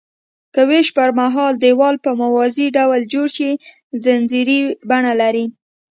که ویش پرمهال دیوال په موازي ډول جوړ شي ځنځیري بڼه لري.